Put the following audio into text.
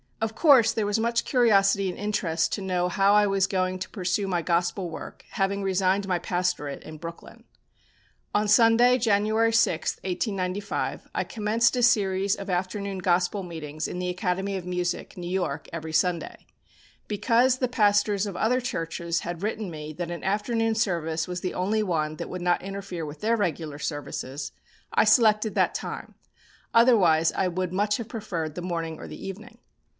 Of course there was much curiosity and interest to know how I was going to pursue my Gospel work, having resigned my pastorate in Brooklyn. On Sunday, January 6, 1895, I commenced a series of afternoon Gospel meetings in the Academy of Music, New York, every Sunday. Because the pastors of other churches had written me that an afternoon service was the only one that would not interfere with their regular services, I selected that time, otherwise I would much have preferred the morning or the evening.